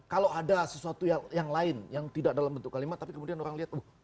kalau ada sesuatu yang lain yang tidak dalam bentuk kalimat tapi kemudian orang lihat